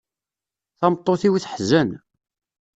Tameṭṭut-iw teḥzen.